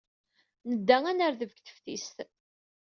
Nedda ad nerdeb deg teftist.